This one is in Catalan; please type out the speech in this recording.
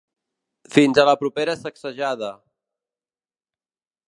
Fins a la propera sacsejada.